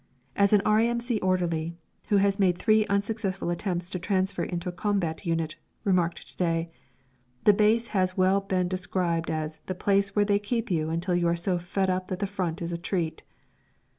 As an R.A.M.C. orderly, who has made three unsuccessful attempts to transfer into a combatant unit, remarked to day, the Base has well been described as "the place where they keep you until you are so fed up that the Front is a treat!"